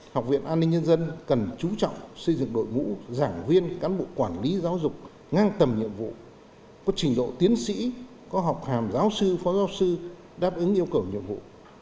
học viện an ninh nhân dân cần chú trọng xây dựng đội ngũ giảng viên cán bộ quản lý giáo dục ngang tầm nhiệm vụ có trình độ tiến sĩ có học hàm giáo sư phó giáo sư đáp ứng yêu cầu nhiệm vụ